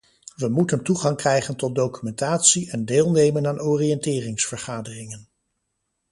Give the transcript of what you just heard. We moeten toegang krijgen tot documentatie en deelnemen aan oriënteringsvergaderingen.